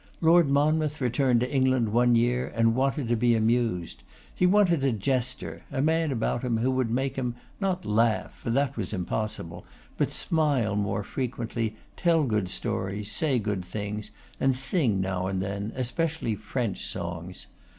Lord Monmouth returned to England one year, and wanted to be amused. He wanted a jester: a man about him who would make him, not laugh, for that was impossible, but smile more frequently, tell good stories, say good things, and sing now and then, especially French songs.